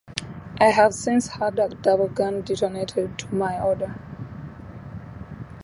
I have since had a double gun detonated to my order.